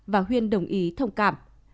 và huyền đồng ý thông cảm